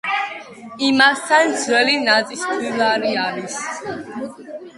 იმასთან ძველი ნაწისქვილარი არის.